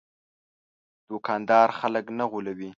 دوکاندار خلک نه غولوي.